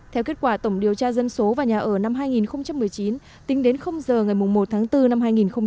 theo kết quả tổng điều tra dân số và nhà ở năm hai nghìn một mươi chín tính đến giờ ngày một tháng bốn năm hai nghìn hai mươi